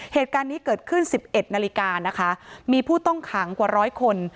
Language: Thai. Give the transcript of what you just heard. เหตุการณ์นี้เกิดขึ้น๑๑นาฬิกานะคะมีผู้ต้องขังกว่าร้อยคน